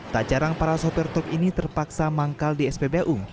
tak jarang para sopir truk ini terpaksa manggal di spbu